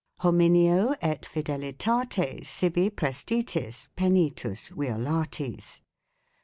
3 hominio et fidelitate sibi prestitis penitus uiolatis.